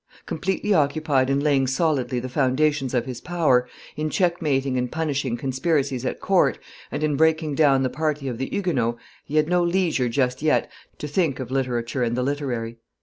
Completely occupied in laying solidly the foundations of his power, in checkmating and punishing conspiracies at court, and in breaking down the party of the Huguenots, he had no leisure just yet to think of literature and the literary.